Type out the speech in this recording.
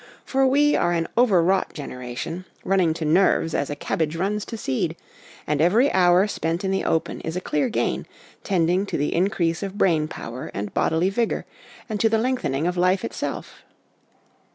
For we are an overwrought generation, running to nerves as a cabbage runs to seed ; and every hour spent in the open is a clear gain, tending to the increase of brain power and bodily vigour, and to the lengthening of life itself.